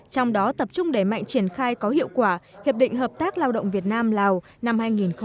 trong đó tập trung đẩy mạnh triển khai có hiệu quả hiệp định hợp tác lao động việt nam lào năm hai nghìn một mươi tám